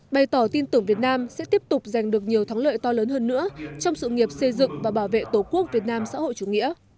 bày tỏ tin tưởng việt nam sẽ tiếp tục giành được nhiều thắng lợi to lớn hơn nữa trong sự nghiệp xây dựng và bảo vệ tổ quốc việt nam xã hội chủ nghĩa